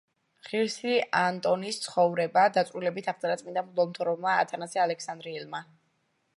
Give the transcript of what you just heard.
ღირსი ანტონის ცხოვრება დაწვრილებით აღწერა წმიდა მღვდელმთავარმა ათანასე ალექსანდრიელმა.